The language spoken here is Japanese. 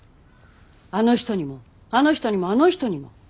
あの人にもあの人にもあの人にも。